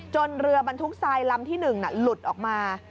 เรือบรรทุกทรายลำที่๑หลุดออกมา